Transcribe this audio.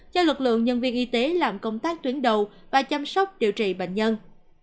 cho lực lượng nhân viên y tế làm công tác tuyến đầu và chăm sóc điều trị bệnh nhân